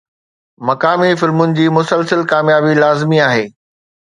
مقامي فلمن جي مسلسل ڪاميابي لازمي آهي.